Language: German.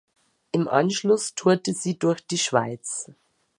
Im Anschluss tourte sie durch die Schweiz.